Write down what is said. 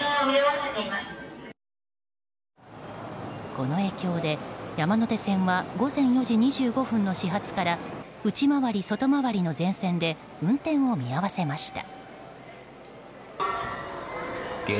この影響で、山手線は午前４時２５分の始発から内回り外回りの全線で運転を見合わせました。